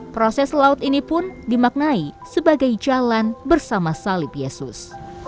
proses laut ini pun dimaknai sebagai jalan bersama salib yesus